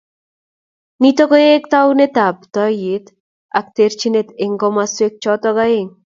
Nito koek taunetab toiyet ak terchinet eng komoswek choto aeng